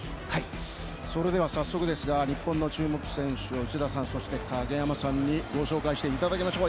早速ですが日本の注目選手内田さん、そして影山さんにご紹介していただきましょう。